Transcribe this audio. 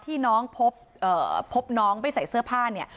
ที่น้องพบน้องไม่ใส่เสื้อผ้าเนี่ย